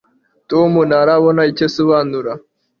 tom ntarabona icyo asobanura